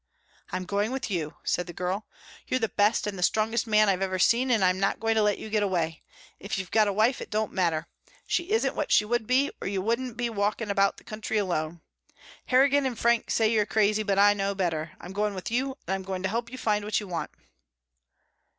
"I'm going with you," said the girl. "You're the best and the strongest man I've ever seen and I'm not going to let you get away. If you've got a wife it don't matter. She isn't what she should be or you wouldn't be walking about the country alone. Harrigan and Frank say you're crazy, but I know better. I am going with you and I'm going to help you find what you want."